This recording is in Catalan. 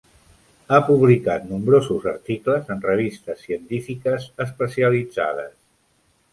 Ha publicat nombrosos articles en revistes científiques especialitzades.